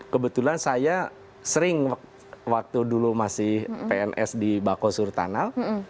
kebetulan saya sering waktu dulu masih pns di bako surtanal